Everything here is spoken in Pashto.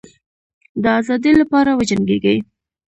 د آزادی لپاره وجنګېږی.